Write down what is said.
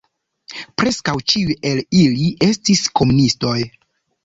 Preskaŭ ĉiuj el ili estis komunistoj.